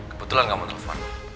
kebetulan gak mau telepon